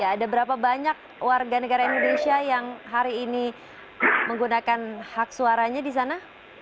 ada berapa banyak warga negara indonesia yang hari ini menggunakan hak suaranya di sana